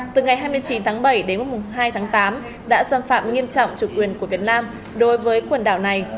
từ ngày hai mươi chín tháng bảy đến hai tháng tám đã xâm phạm nghiêm trọng chủ quyền của việt nam đối với quần đảo này